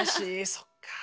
そっか。